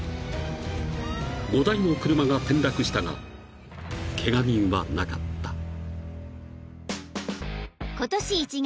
［５台の車が転落したがケガ人はなかった］